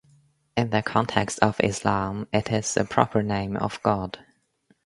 In the context of Islam, it is the proper name of God.